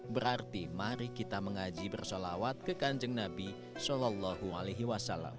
berarti mari kita mengaji bersolawat ke kanjeng nabi saw